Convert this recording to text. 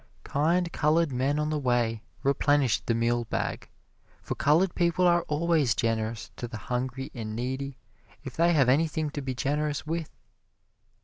Kind colored people on the way replenished the meal bag, for colored people are always generous to the hungry and needy if they have anything to be generous with.